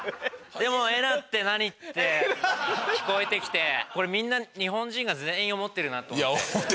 でも「エナ」って何？って聞こえて来てこれみんな日本人が全員思ってるなって思って。